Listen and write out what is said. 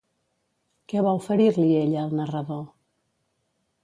Què va oferir-li ella al narrador?